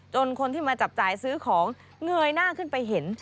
คนที่มาจับจ่ายซื้อของเงยหน้าขึ้นไปเห็น